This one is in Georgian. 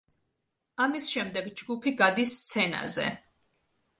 ამის შემდეგ ჯგუფი გადის სცენაზე.